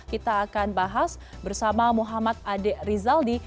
kita akan bahas bersama muhammad ade rizaldi